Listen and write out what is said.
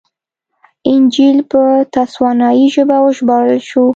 انجییل په تسوانایي ژبه وژباړل شو.